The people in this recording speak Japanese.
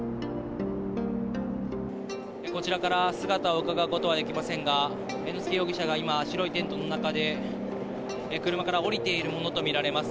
こちらから姿をうかがうことはできませんが、猿之助容疑者が今、白いテントの中で車から降りているものと見られます。